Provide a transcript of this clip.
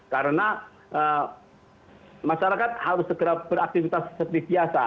karena masyarakat harus segera beraktivitas seperti biasa